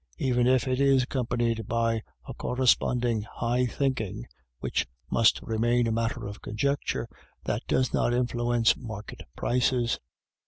Even if it is accompanied by the corre sponding high thinking, which must remain a matter of conjecture, that does not influence market prices.